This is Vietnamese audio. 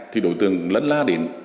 thì đội tưởng lân la đến